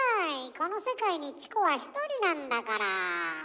この世界にチコは１人なんだから。